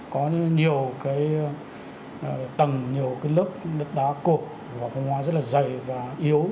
có nhiều cái tầng nhiều cái lớp đất đá cổ và phong hoa rất là dày và yếu